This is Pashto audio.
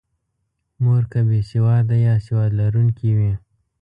مور که بې سواده یا سواد لرونکې وي.